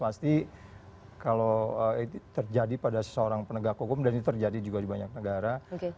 pasti kalau terjadi pada seseorang penegak hukum dan itu terjadi juga di banyak negara